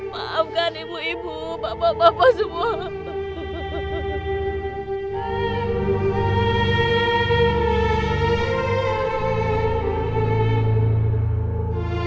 maafkan ibu ibu bapak bapak semua